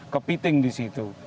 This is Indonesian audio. kepiting di situ